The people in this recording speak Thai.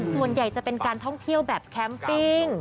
ส่วนใหญ่จะเป็นการท่องเที่ยวแบบแคมปิ้ง